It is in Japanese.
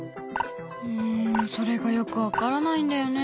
うんそれがよく分からないんだよね。